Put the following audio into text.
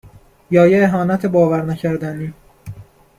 یا یه اهانت باورنکردنی